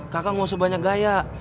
kakak gak usah banyak gaya